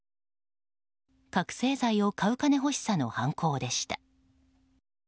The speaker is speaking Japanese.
覚醒剤を買う金欲しさの犯行でした。